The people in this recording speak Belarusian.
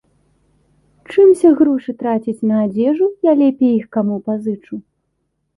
Чымся грошы траціць на адзежу, я лепей іх каму пазычу.